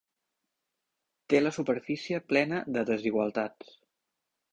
Té la superfície plena de desigualtats.